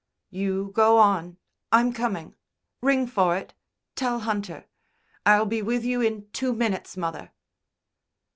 "You go on. I'm coming. Ring for it. Tell Hunter. I'll be with you in two minutes, mother."